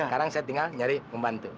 sekarang saya tinggal nyari pembantu